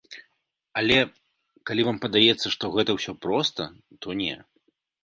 Але, калі вам падаецца, што гэта ўсё проста, то не!